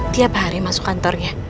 tiap hari masuk kantor ya